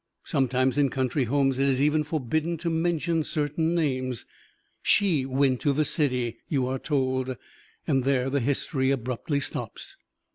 Sometimes in country homes it is even forbidden to mention certain names. "She went to the city," you are told and there the history abruptly stops.